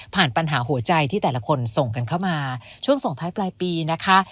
ปัญหาหัวใจที่แต่ละคนส่งกันเข้ามาช่วงส่งท้ายปลายปีนะคะ